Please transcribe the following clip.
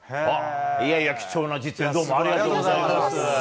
いやいや、貴重な実演どうもありがとうございます。